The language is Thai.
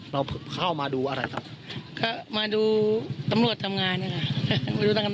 เราเข้ามาดูอะไรครับก็มาดูตำรวจทำงานนะคะ